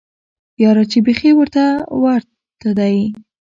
یاره چی بیخی ورته ورته دی